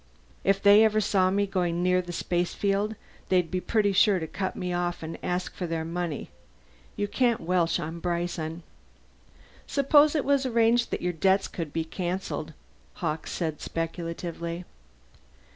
If they ever saw me going near the spacefield they'd be pretty sure to cut me off and ask for their money. You can't welsh on Bryson." "Suppose it was arranged that your debts be cancelled," Hawkes said speculatively.